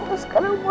kasian loh papa vero